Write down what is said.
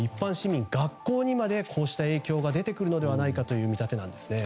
学校にまでこうした影響が出てくるのではないかという見立てなんですね。